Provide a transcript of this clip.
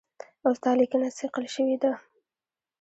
اوس دا لیکنه صیقل شوې ده.